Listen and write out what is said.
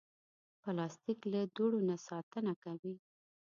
پلاستيک له دوړو نه ساتنه کوي.